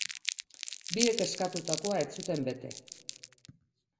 Biek eskatutakoa ez zuten bete.